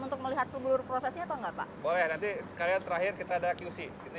untuk melihat seluruh prosesnya atau enggak pak boleh nanti sekalian terakhir kita ada qc ini